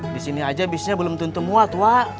disini aja bisnya belum tentu muat wak